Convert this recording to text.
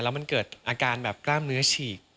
แล้วมันเกิดอาการแบบกล้ามเนื้อฉีก